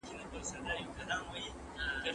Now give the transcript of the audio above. موږ د مستو په خوړلو بوخت یو.